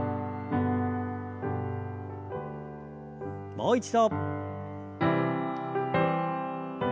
もう一度。